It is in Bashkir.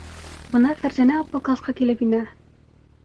Бына Фәрзәнә апа класҡа килеп инә.